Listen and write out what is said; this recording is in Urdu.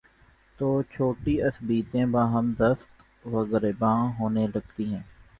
تو چھوٹی عصبیتیں باہم دست وگریباں ہونے لگتی ہیں۔